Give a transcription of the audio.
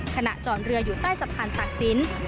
ขณะจอดเรืออยู่ใต้สะพานตักศิลป์